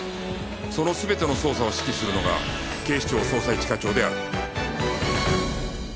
その全ての捜査を指揮するのが警視庁捜査一課長である